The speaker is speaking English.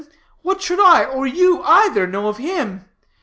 What should I, or you either, know of him?